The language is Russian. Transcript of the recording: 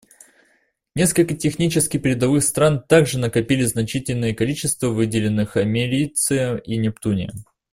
Несколько технически передовых стран также накопили значительные количества выделенных америция и нептуния.